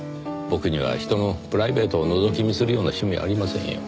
僕には人のプライベートをのぞき見するような趣味はありませんよ。